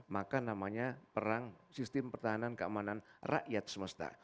maka namanya perang sistem pertahanan keamanan rakyat semesta